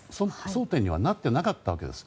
争点にはなっていなかったわけです。